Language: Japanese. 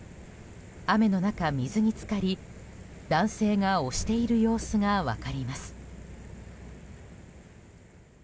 雨の中、水に浸かり男性が押している様子が分かります。